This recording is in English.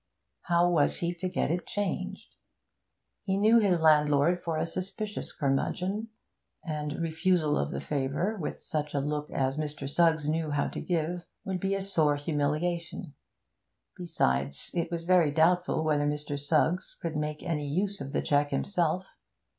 How was he to get it changed? He knew his landlord for a suspicious curmudgeon, and refusal of the favour, with such a look as Mr. Suggs knew how to give, would be a sore humiliation; besides, it was very doubtful whether Mr. Suggs could make any use of the cheque himself.